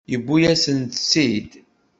Yewwi-yasent-t-id.